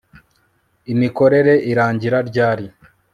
Imikorere irangira ryari